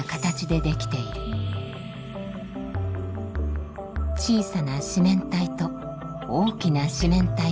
小さな四面体と大きな四面体は相似。